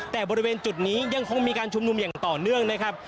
แต่บริเวณจุดนี้ยังคงมีการชุมนุมอย่างต่อเนื่องนะครับ